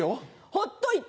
ほっといて。